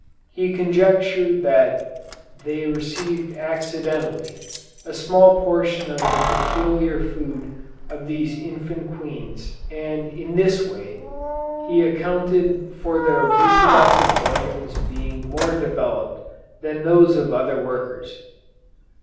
He conjectured that they received accidentally, a small portion of the peculiar food of these infant queens, and in this way, he accounted for their reproductive organs being more developed than those of other workers.